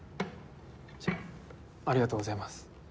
じゃあありがとうございます。